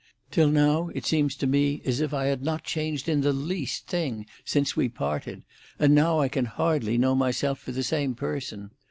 Till now it seems to me as if I had not changed in the least thing since we parted, and now I can hardly know myself for the same person.